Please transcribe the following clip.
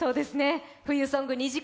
冬ソング２時間